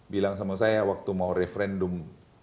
bilang sama saya waktu mau referendum